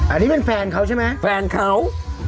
อันนี้เป็นแฟนเขาใช่ไหมแฟนเขา